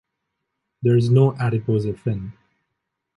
There s no adipose fin.